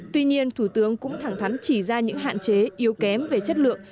tuy nhiên thủ tướng cũng thẳng thắn chỉ ra những hạn chế yếu kém về chất lượng